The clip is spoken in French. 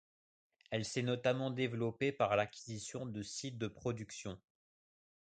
Elle s'est notamment développée par l’acquisition de sites de production.